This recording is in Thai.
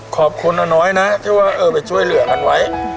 ขอบคุณอาน้อยนะที่ว่าเออไปช่วยเหลือกันไว้